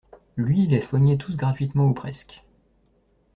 Lui les soignait tous gratuitement ou presque.